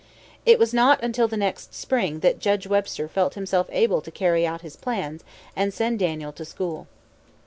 It was not until the next spring that Judge Webster felt himself able to carry out his plans to send Daniel to school.